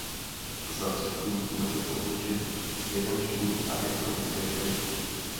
Zatřetí, musíme se poučit z finanční a ekonomické krize.